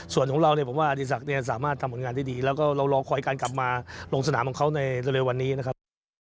ส่วนของเราเนี่ยผมว่าอดีศักดิ์เนี่ยสามารถทำผลงานที่ดีแล้วก็เรารอคอยการกลับมาลงสนามของเขาในเร็ววันนี้นะครับ